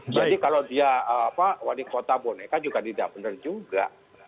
jadi kalau dia wadikota boneka juga tidak benar juga